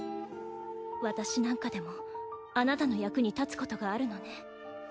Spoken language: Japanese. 私なんかでもあなたの役に立つことがあるのね。